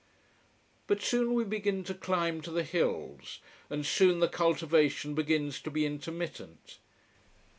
But soon we begin to climb to the hills. And soon the cultivation begins to be intermittent.